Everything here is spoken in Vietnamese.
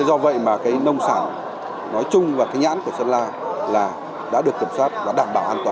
do vậy mà cái nông sản nói chung và cái nhãn của sơn la đã được kiểm soát và đảm bảo an toàn